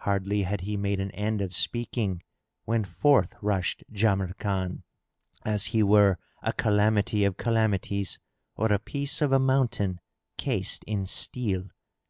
Hardly had he made an end of speaking, when forth rushed Jamrkan, as he were a calamity of calamities or a piece of a mountain, cased in steel.